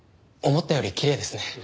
思ったよりきれいですね。